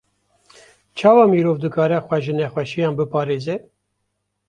Çawa mirov dikare xwe ji nexweşiyan biparêze?